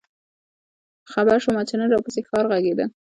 خبـــــر شومه چې نن راپســـې ښار غـــــږېده؟